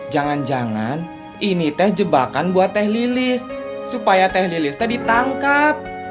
jangan jangan ini teh jebakan buat teh lilis supaya teh lilis teh ditangkap